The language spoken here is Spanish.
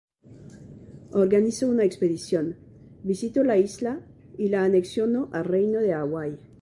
Organizó una expedición, visitó la isla y la anexionó al Reino de Hawái.